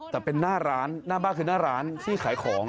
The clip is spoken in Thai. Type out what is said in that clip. แต่เป็นหน้าร้านหน้าบ้านคือหน้าร้านที่ขายของ